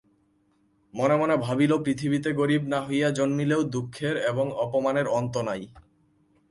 মনে মনে ভাবিল পৃথিবীতে গরিব হইয়া না জন্মিলেও দুঃখের এবং অপমানের অন্ত নাই।